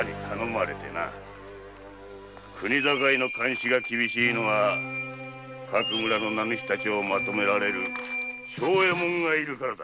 国境の監視が厳しいのは各村の名主たちをまとめられる庄右衛門がいるからだ。